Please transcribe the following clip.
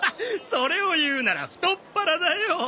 それを言うなら「太っ腹」だよ！